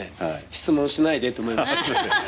質問しないでと思いましたからね。